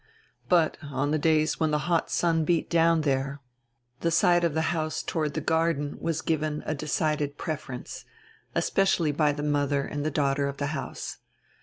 But, on days when the hot sun beat down die re, the side of die house toward die garden was given a decided preference, especially by die mother and die daughter of die house.